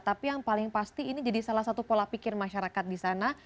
tapi yang paling pasti ini jadi salah satu pola pikir masyarakat di sana